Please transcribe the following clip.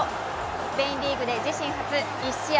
スペインリーグで自身初１試合